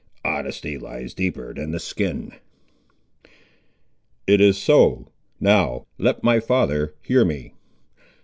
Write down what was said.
"Honesty lies deeper than the skin." "It is so. Now let my father hear me.